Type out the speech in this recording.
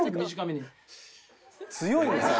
「強いんですよ」